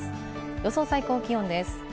予想最高気温です。